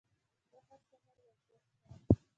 زه هر سهار ورزش کوم.